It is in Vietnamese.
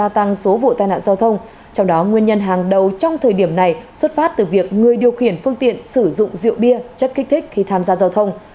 trong đó nguyên nhân hàng đầu trong thời điểm này xuất phát từ việc người điều khiển phương tiện sử dụng rượu bia chất kích thích khi tham gia giao thông